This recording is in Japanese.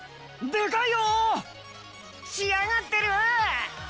でかいよ！しあがってる！